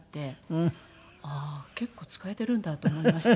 「ああ結構使えてるんだ」と思いました。